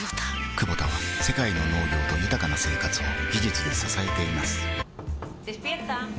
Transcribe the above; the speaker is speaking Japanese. クボタは世界の農業と豊かな生活を技術で支えています起きて。